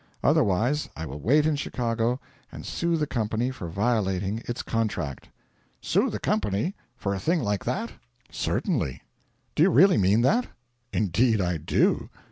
Otherwise I will wait in Chicago and sue the company for violating its contract.' 'Sue the company? for a thing like that!' 'Certainly.' 'Do you really mean that?' 'Indeed, I do.'